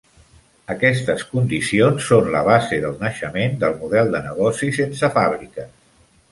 Aquestes condicions són la base del naixement del model de negoci sense fàbriques.